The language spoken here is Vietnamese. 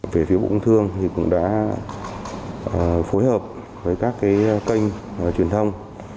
về phía bộ công thương thì cũng đã phối hợp với các kênh truyền thông